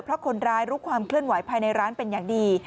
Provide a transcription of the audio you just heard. เพราะคนร้ายรู้ความเคลื่อนไหวภายในร้านเป็นอย่างดี